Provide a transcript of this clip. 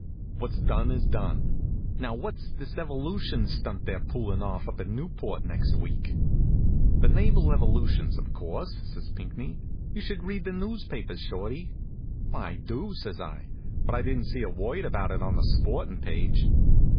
What's done is done. Now what's this evolution stunt they're pullin' off up at Newport next week?" "The naval evolutions, of course," says Pinckney. "You should read the newspapers, Shorty." "I do," says I, "but I didn't see a word about it on the sportin' page."